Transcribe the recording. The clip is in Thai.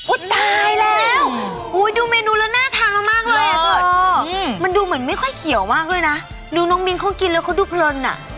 ตายแล้วดูเมนูแล้วน่าทานมากเลยอ่ะเกิดมันดูเหมือนไม่ค่อยเขียวมากด้วยนะดูน้องมิ้นเขากินแล้วเขาดูเพลินอ่ะ